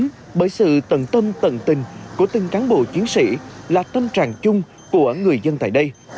hào hứng bởi sự tận tâm tận tình của từng cán bộ chiến sĩ là tâm trạng chung của người dân tại đây